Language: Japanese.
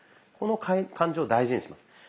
この感じを大事にします。